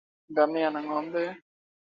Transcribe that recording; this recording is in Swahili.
ngamia na ngombe